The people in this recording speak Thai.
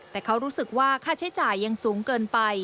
แต่เขารู้สึกว่าค่าใช้จ่ายยังสูงเกินไป